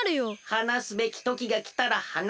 はなすべきときがきたらはなす。